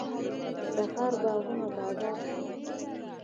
د تخار باغونه بادام لري.